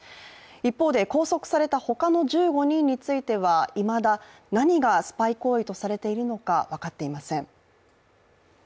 一方で拘束されたほかの１５人についてはいまだ何がスパイ行為とされているのか分かっていません。